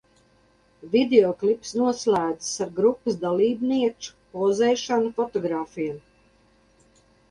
Videoklips noslēdzas ar grupas dalībnieču pozēšanu fotogrāfiem.